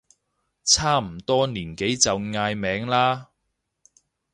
差唔多年紀就嗌名啦